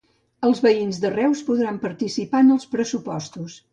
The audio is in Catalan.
Els veïns de Reus podran participar en els pressupostos.